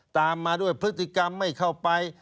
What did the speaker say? ตามมาด้วยพฤติกรรมไม่เข้าไป